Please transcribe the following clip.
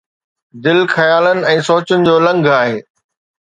دل خيالن ۽ سوچن جو لنگهه آهي